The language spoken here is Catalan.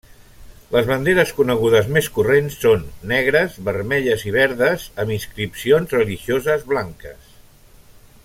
Les banderes conegudes més corrents són negres, vermelles i verdes amb inscripcions religioses blanques.